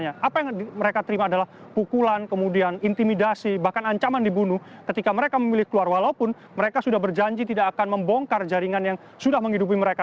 apa yang mereka terima adalah pukulan kemudian intimidasi bahkan ancaman dibunuh ketika mereka memilih keluar walaupun mereka sudah berjanji tidak akan membongkar jaringan yang sudah menghidupi mereka